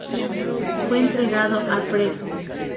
Fue entregado a Fred.